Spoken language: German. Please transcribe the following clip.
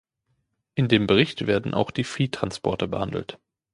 In dem Bericht werden auch die Viehtransporte behandelt.